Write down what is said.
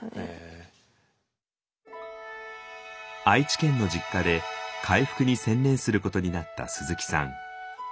愛知県の実家で回復に専念することになった鈴木さん。